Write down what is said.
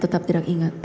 tetap tidak ingat